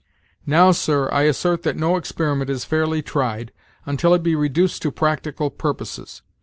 "Now, sir, I assert that no experiment is fairly tried, until it be reduced to practical purposes.